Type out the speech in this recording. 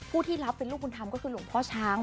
ที่รับเป็นลูกบุญธรรมก็คือหลวงพ่อช้าง